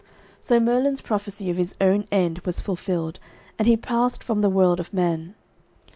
So Merlin's prophecy of his own end was fulfilled, and he passed from the world of men.